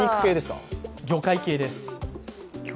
魚介系です。